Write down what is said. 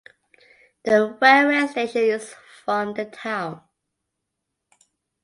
The railway station is from the town.